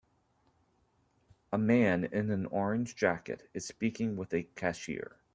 A man in an orange jacket is speaking with a cashier.